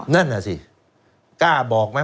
นั่นน่ะสิกล้าบอกไหม